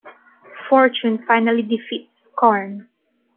Fortune finally defeats Scarn.